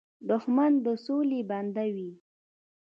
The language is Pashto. دښمن د سولې بنده وي